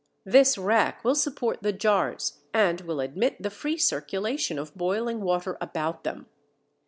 This rack will support the jars and will admit the free circulation of boiling water about them.